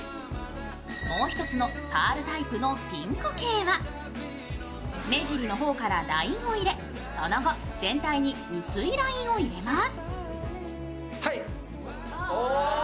もう１つのパールタイプのピンク系は目尻の方からラインを入れその後、全体に薄いラインを入れます。